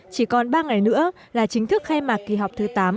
chỉ còn ba ngày nữa là chính thức khai mạc kỳ họp thứ tám